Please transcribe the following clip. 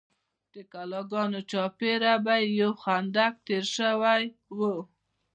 د کلاګانو چارپیره به یو خندق تیر شوی و.